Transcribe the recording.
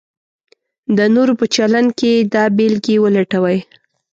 د نورو په چلند کې دا بېلګې ولټوئ: